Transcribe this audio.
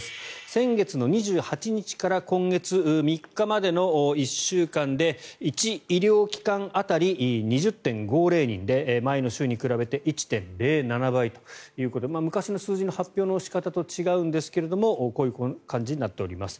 先月の２８日から今月３日までの１週間で１医療機関当たり２０．５０人で前の週に比べて１．０７倍ということで昔の数字の発表の仕方と違うんですがこういう感じになっております。